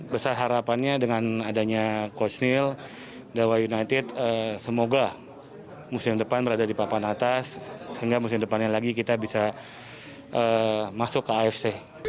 besar harapannya dengan adanya coach neil dewa united semoga musim depan berada di papan atas sehingga musim depannya lagi kita bisa masuk ke afc